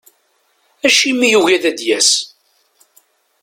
Acimi i yugi ad d-yas?